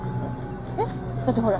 えっ？だってほら